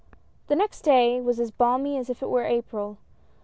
T he next day was as balmy as if it were April.